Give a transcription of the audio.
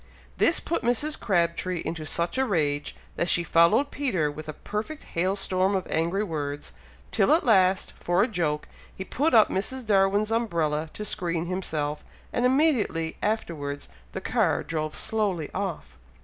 This put Mrs. Crabtree into such a rage, that she followed Peter with a perfect hail storm of angry words, till at last, for a joke, he put up Mrs. Darwin's umbrella to screen himself, and immediately afterwards the car drove slowly off.